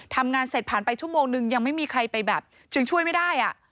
ทำงานเสร็จผ่านไปชั่วโมงนึงยังไม่มีใครไปแบบจึงช่วยไม่ได้